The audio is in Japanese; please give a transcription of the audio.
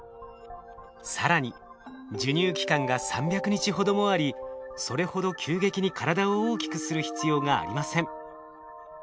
更に授乳期間が３００日ほどもありそれほど急激に体を大きくする必要がありません。